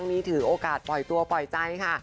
มีถือโอกาสปล่อยตัวปล่อยใจค่ะ